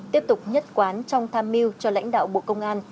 tiếp tục nhất quán trong tham mưu cho lãnh đạo bộ công an